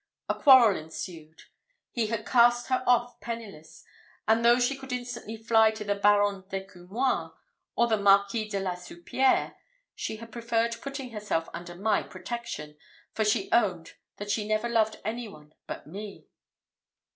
A quarrel ensued he had cast her off penniless; and though she could instantly fly to the Baron d'Ecumoir, or the Marquis de la Soupierre, she had preferred putting herself under my protection; for she owned that she never loved any one but me.